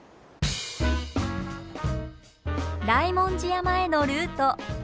大文字山へのルート。